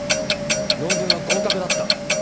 論文は合格だった。